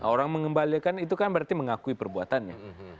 orang mengembalikan itu kan berarti mengakui perbuatannya